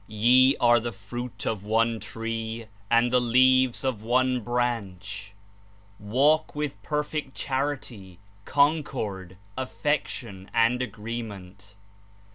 Ye are the fruit of one tree and the leaves of one branch. Walk with perfect charity, concord, affection and agree ment.